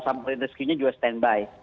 sabar rescue nya juga standby